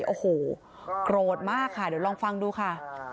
โอ้โหโกรธมากค่ะเดี๋ยวลองฟังดูค่ะ